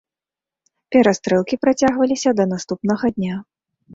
Перастрэлкі працягваліся да наступнага дня.